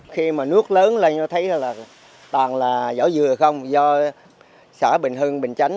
khi mà nước lớn lên nó thấy là toàn là vỏ dừa không do sở bình hưng bình chánh